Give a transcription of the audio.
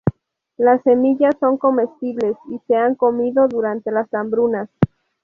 Las semillas son comestibles y se han comido durante las hambrunas.